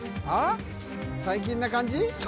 最近な感じ？